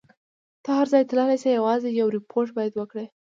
ته هر ځای تللای شې، یوازې یو ریپورټ باید وکړي.